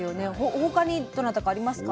他にどなたかありますか？